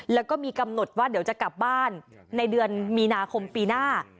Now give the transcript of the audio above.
แล้วก็มีกำหนดว่าเดี๋ยวจะกลับบ้านในเดือนมีนาคมปีหน้า